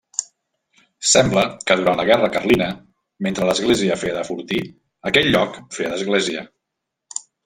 Sembla que durant la guerra carlina mentre l'església feia de fortí, aquell lloc feia d'església.